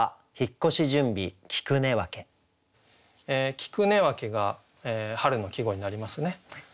「菊根分」が春の季語になりますね。